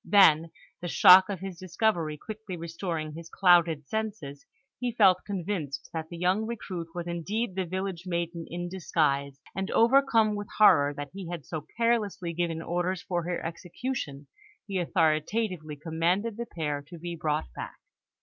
Then, the shock of his discovery quickly restoring his clouded senses, he felt convinced that the young recruit was indeed the village maiden in disguise, and, overcome with horror that he had so carelessly given orders for her execution, he authoritatively commanded the pair to be brought back.